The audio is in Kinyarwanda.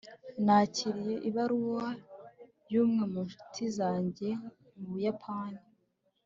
nakiriye ibaruwa y'umwe mu ncuti zanjye mu buyapani